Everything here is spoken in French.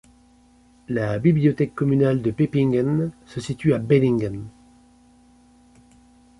La bibliothèque communale de Pepingen se situe à Bellingen.